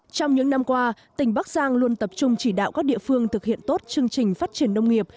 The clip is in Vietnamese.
trong những năm qua tỉnh bắc giang luôn tập trung chỉ đạo các địa phương thực hiện tốt chương trình phát triển nông nghiệp